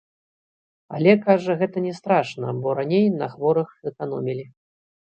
Але, кажа, гэта не страшна, бо раней на хворых эканомілі.